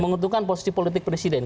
menguntungkan posisi politik presiden